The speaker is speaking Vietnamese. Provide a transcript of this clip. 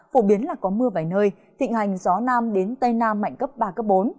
phổ biến là có mưa vài nơi thịnh hành gió nam đến tây nam mạnh cấp ba cấp bốn